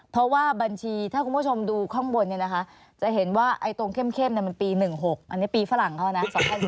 เพราะว่าบัญชีถ้าคุณผู้ชมดูข้างบนเนี่ยนะคะจะเห็นว่าตรงเข้มมันปี๑๖อันนี้ปีฝรั่งเขานะ